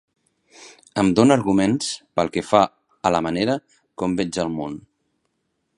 Em dóna arguments pel que fa a la manera com veig el món.